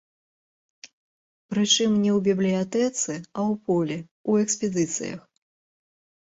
Прычым не ў бібліятэцы, а ў полі, ў экспедыцыях.